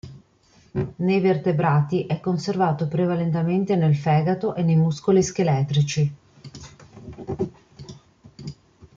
Nei vertebrati è conservato prevalentemente nel fegato e nei muscoli scheletrici.